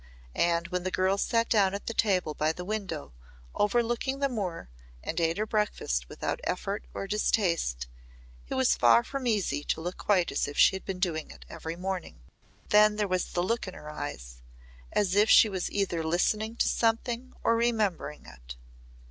And when the girl sat down at the table by the window overlooking the moor and ate her breakfast without effort or distaste, it was far from easy to look quite as if she had been doing it every morning. Then there was the look in her eyes, as if she was either listening to something or remembering it.